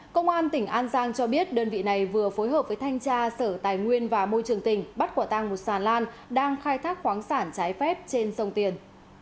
công an tỉnh an giang cho biết đơn vị này vừa phối hợp với thanh tra sở tài nguyên và môi trường tỉnh bắt quả tăng một xà lan đang khai thác khoáng sản trái phép trên sông tiền